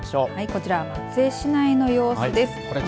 こちら松江市内の様子です。